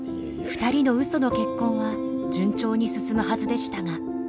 ２人の嘘の結婚は順調に進むはずでしたが。